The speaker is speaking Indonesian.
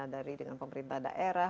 dari dengan pemerintah daerah